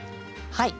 はい。